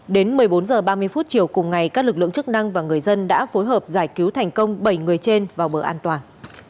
đến một mươi bốn h ba mươi chiều cùng ngày các lực lượng chức năng và người dân đã phối hợp giải cứu thành công bảy người trên vào bờ an toàn